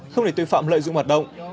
không để tùy phạm lợi dụng hoạt động